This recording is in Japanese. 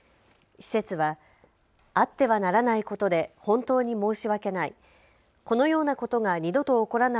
施設は、あってはならないことで本当に申し訳ない。